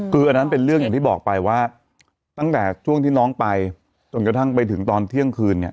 คืออันนั้นเป็นเรื่องอย่างที่บอกไปว่าตั้งแต่ช่วงที่น้องไปจนกระทั่งไปถึงตอนเที่ยงคืนเนี่ย